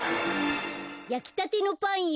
やきたてのパンよ。